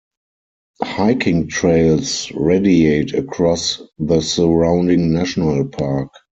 Hiking trails radiate across the surrounding national park.